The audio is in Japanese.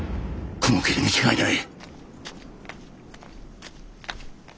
雲霧に違いない。